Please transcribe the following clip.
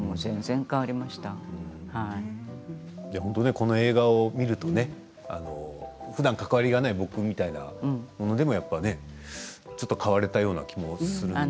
この映画を見るとねふだん関わりがない僕みたいな者でもちょっと変われたたような気もするし。